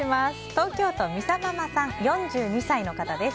東京都の４２歳の方です。